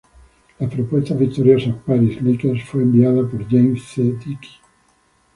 La propuesta victoriosa, Paris Lakers, fue enviada por James C. Dickey.